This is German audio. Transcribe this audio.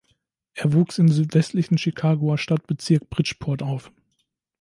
Er wuchs im südwestlichen Chicagoer Stadtbezirk Bridgeport auf.